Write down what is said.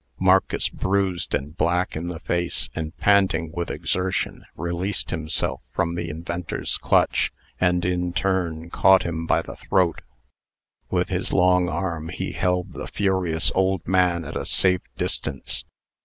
Marcus, bruised and black in the face, and panting with exertion, released himself from the inventor's clutch, and, in turn, caught him by the throat. With his long arm he held the furious old man at a safe distance.